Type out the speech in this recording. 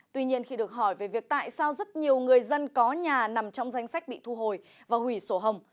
tuy nhiên khi được hỏi về việc tại sao rất nhiều người dân có nhà nằm trong danh sách bị thu hồi và hủy sổ hồng